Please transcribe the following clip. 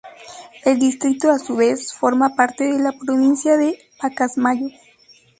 El distrito a su vez forma parte de la Provincia de Pacasmayo.